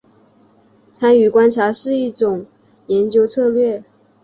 参与观察是一种研究策略。